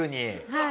はい。